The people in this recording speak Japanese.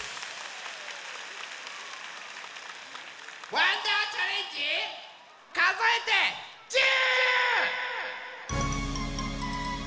わんだーチャレンジかぞえて１０！